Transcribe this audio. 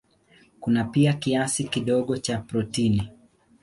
Kuna pia kiasi kidogo cha protini.